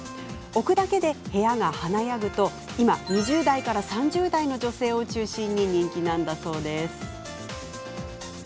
置くだけで部屋が華やぐと、今２０代から３０代の女性を中心に人気なんだそうです。